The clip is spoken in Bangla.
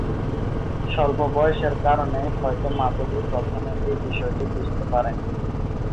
স্বল্প বয়সের কারণেই হয়তো মাধবী প্রথমে এই বিষয়টি বুঝতে পারেনি।